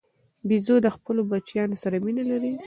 بیزو د خپلو بچیانو سره مینه لري.